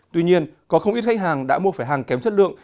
tuy nhiên có không ít khách hàng đã mua phải hàng kém chất lượng